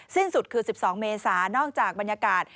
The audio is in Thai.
สิ้นสุดคือ๑๒เมษานอกจากบรรยากาศ